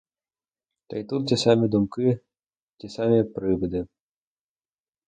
Та й тут ті самі думки, ті самі привиди.